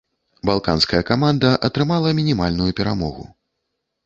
Балканская каманда атрымала мінімальную перамогу.